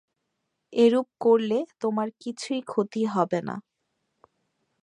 এরূপ করলে তোমার কিছুই ক্ষতি হবে না।